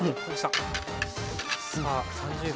さあ３０秒。